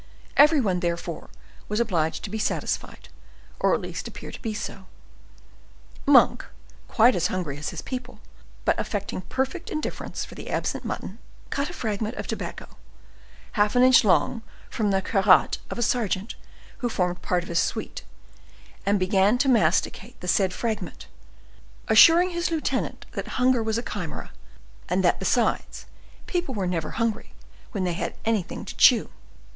Every one, therefore, was obliged to be satisfied, or at least to appear so. Monk, quite as hungry as his people, but affecting perfect indifference for the absent mutton, cut a fragment of tobacco, half an inch long, from the carotte of a sergeant who formed part of his suite, and began to masticate the said fragment, assuring his lieutenant that hunger was a chimera, and that, besides, people were never hungry when they had anything to chew.